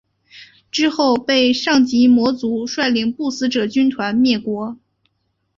之后被上级魔族率领不死者军团灭国。